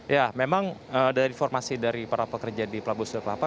ya memang dari informasi dari para pekerja di pelabuhan sunda kelapa